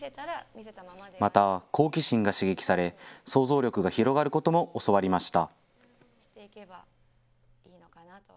また好奇心が刺激され、想像力が広がることも教わりました。